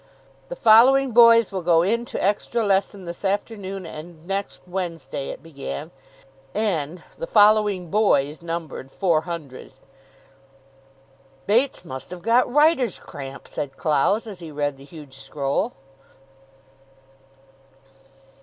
"The following boys will go in to extra lesson this afternoon and next Wednesday," it began. And "the following boys" numbered four hundred. "Bates must have got writer's cramp," said Clowes, as he read the huge scroll.